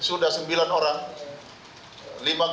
sudah sembilan orang